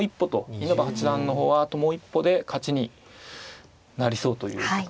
稲葉八段の方はあともう一歩で勝ちになりそうという局面ですね。